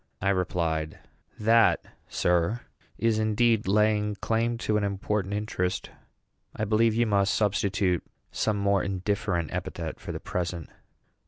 I replied, "That, sir, is indeed laying claim to an important interest. I believe you must substitute some more indifferent epithet for the present."